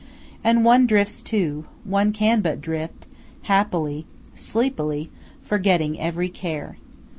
And one drifts, too; one can but drift, happily, sleepily, forgetting every care.